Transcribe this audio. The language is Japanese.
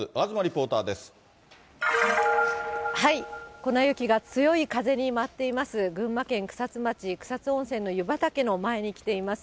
粉雪が強い風に舞っています、群馬県草津町、草津温泉の湯畑の前に来ています。